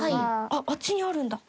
あっあっちにあるんだ。